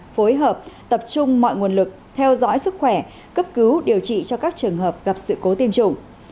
phối hợp tập trung mọi nguồn lực theo dõi sức khỏe cấp cứu điều trị cho các trường hợp gặp sự cố tiêm chủng